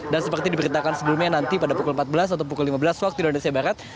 dan seperti diberitakan sebelumnya nanti pada pukul empat belas atau pukul lima belas waktu indonesia barat